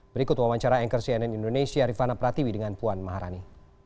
berikut wawancara anchor cnn indonesia rifana pratiwi dengan puan maharani